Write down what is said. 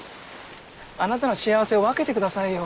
あなたの幸せを分けてくださいよ。